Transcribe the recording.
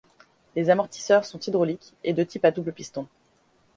Les amortisseurs sont hydrauliques et de type à double piston.